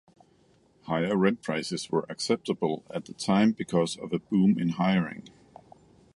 Higher rent prices were acceptable at the time because of a boom in hiring.